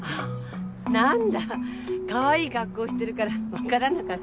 何だかわいい格好してるから分からなかった。